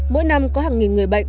mỗi năm có hàng nghìn người bệnh